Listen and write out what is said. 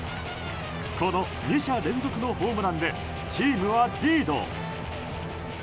この２者連続のホームランでチームはリード。